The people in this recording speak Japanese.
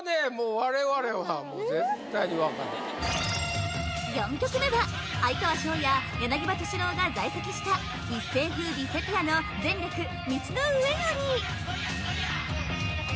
我々は絶対に分かる４曲目は哀川翔や柳葉敏郎が在籍した一世風靡セピアの「前略、道の上より」